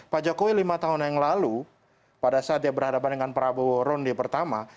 pak jokowi lima tahun yang lalu pada saat dia berhadapan dengan prabowo ronde pertama